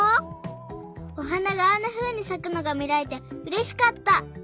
おはながあんなふうにさくのがみられてうれしかった。